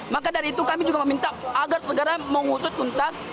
maka dari itu kami juga meminta agar segera mengusut tuntas